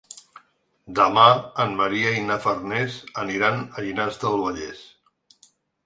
Demà en Maria i na Farners aniran a Llinars del Vallès.